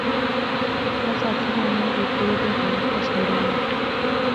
بس ہتھ ہلانے۔۔۔ہیک دوہے دیکھنے۔۔ ہنسے رونے